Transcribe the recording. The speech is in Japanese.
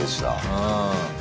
うん。